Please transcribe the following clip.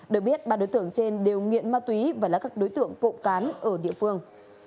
được biết ba đối tượng trên đều nghiện ma túy và là các đối tượng cộng cán ở địa phương